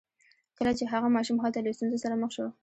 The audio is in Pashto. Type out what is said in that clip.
کله چې هغه ماشوم هلته له ستونزو سره مخ شو